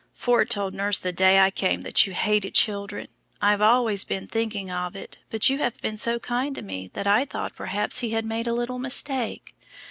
"Ford told nurse the day I came that you hated children. I've always been thinking of it, but you have been so kind to me that I thought perhaps he had made a little mistake.